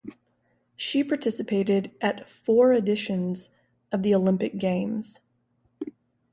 She participated at four editions of the Olympic Games.